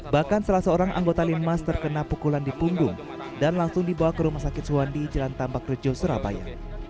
bahkan salah seorang anggota linmas terkena pukulan di punggung dan langsung dibawa ke rumah sakit suwandi jalan tambak rejo surabaya